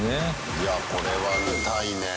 いや、これは見たいねぇ。